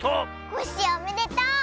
コッシーおめでとう！